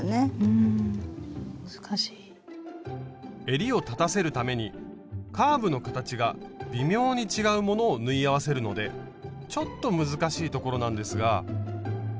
えりを立たせるためにカーブの形が微妙に違うものを縫い合わせるのでちょっと難しいところなんですが。